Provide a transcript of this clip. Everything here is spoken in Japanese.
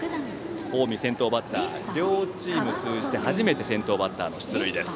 近江、先頭バッター両チーム通じて初めての先頭バッター出塁です。